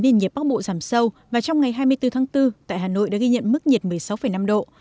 nền nhiệt bắc bộ giảm sâu và trong ngày hai mươi bốn tháng bốn tại hà nội đã ghi nhận mức nhiệt một mươi sáu năm độ